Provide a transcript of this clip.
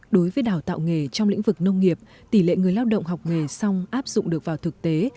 đối với đào tạo nghề trong lĩnh vực nông nghiệp tỷ lệ người lao động học nghề xong áp dụng được vào thực tế